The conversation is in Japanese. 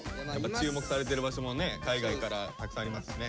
注目されてる場所もね海外からたくさんありますしね。